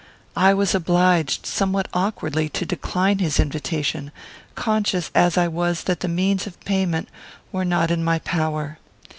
I was obliged, somewhat awkwardly, to decline his invitation, conscious as I was that the means of payment were not in my power.